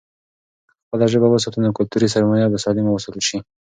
که خپله ژبه وساتو، نو کلتوري سرمايه به سالمه وساتل شي.